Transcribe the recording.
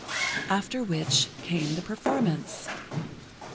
After which, came the performance.